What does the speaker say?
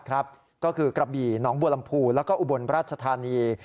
ก็คือกระบี่หนองบัวลำพูแล้วก็อุบลราชธานี